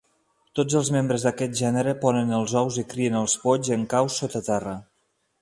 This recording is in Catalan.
Tots els membres d'aquest gènere ponen els ous i crien els polls en caus sota terra.